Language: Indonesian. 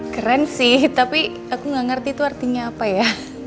keren sih tapi aku gak ngerti itu artinya apa ya